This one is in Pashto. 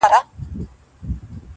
دا خو خلګ یې راوړي چي شیرني ده،